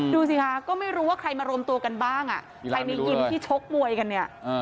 ดูสิคะก็ไม่รู้ว่าใครมารวมตัวกันบ้างใครในยิมที่ชกมวยกันเนี่ย